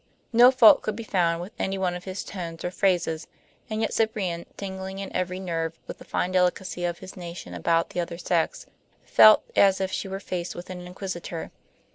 No fault could be found with any one of his tones or phrases, and yet Cyprian, tingling in every nerve with the fine delicacy of his nation about the other sex, felt as if she were faced with an inquisitor.